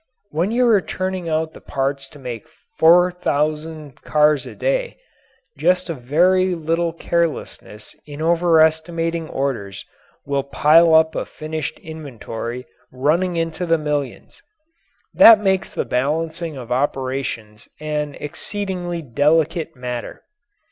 When you are turning out the parts to make 4,000 cars a day, just a very little carelessness in overestimating orders will pile up a finished inventory running into the millions. That makes the balancing of operations an exceedingly delicate matter.